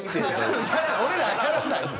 俺らはやらない。